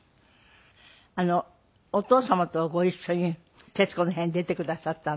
あのお父様とご一緒に『徹子の部屋』に出てくださったわね。